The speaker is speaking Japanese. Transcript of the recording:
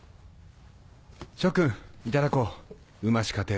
諸君いただこううまし糧を。